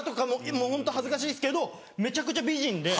もうホント恥ずかしいですけどめちゃくちゃ美人で。